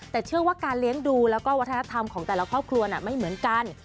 แต่เชื่อว่าการเลี้ยงดูแล้วก็วัฒนธรรมของแต่ละครอบครัวไม่เหมือนกัน